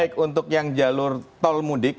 baik untuk yang jalur tol mudik